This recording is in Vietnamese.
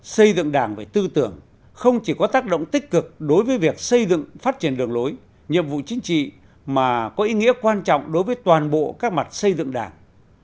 xây dựng đảng về tư tưởng không chỉ có tác động tích cực đối với việc xây dựng phát triển đường lối nhiệm vụ chính trị mà có ý nghĩa quan trọng đối với toàn bộ các mặt xây dựng đảng